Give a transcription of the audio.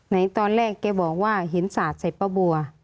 ในตอนแรกแกบอกว่าเห็นสาดใส่ป้าบัว